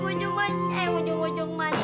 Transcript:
ujung ujungnya eh ujung ujung masih